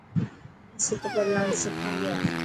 اسين ڪپل ڊانس سکان پيا